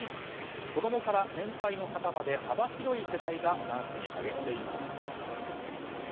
子供から年配の方まで幅広い世代がダンスに励んでいます。